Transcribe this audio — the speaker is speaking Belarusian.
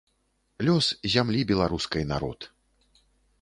Лёс зямлі беларускай народ.